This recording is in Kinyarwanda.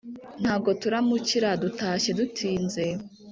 Ntago turamukira dutashye dutinze